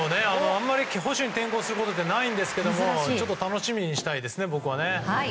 あまり捕手に転向することはないんですが楽しみにしたいですね。